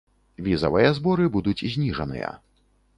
Візавыя зборы будуць зніжаныя.